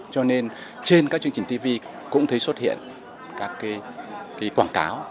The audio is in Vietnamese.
cho nên trên các chương trình tv cũng thấy xuất hiện các quảng cáo